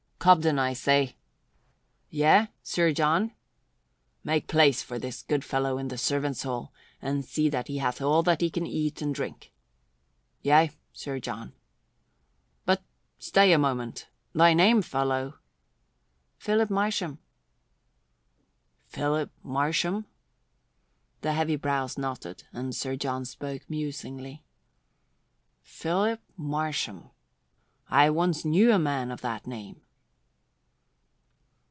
Cobden, I say!" "Yea, Sir John." "Make place for this good fellow in the servants' hall and see that he hath all that he can eat and drink." "Yea, Sir John." "But stay a moment. Thy name, fellow." "Philip Marsham." "Philip Marsham?" The heavy brows knotted and Sir John spoke musingly. "Philip Marsham! I once knew a man of that name."